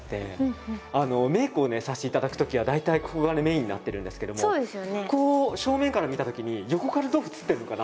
メイクをさせていただくときは大体ここがメインになってるんですけどもこう正面から見たときに横からどう映ってるのかな？